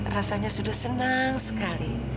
rasanya sudah senang sekali